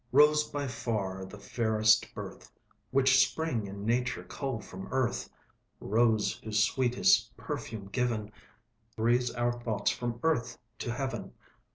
Rose by far the fairest birth, Which Spring and Nature cull from Earth Rose whose sweetest perfume given, Breathes our thoughts from Earth to Heaven.